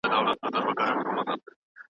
د زړه په سر مې زخم جوړ شو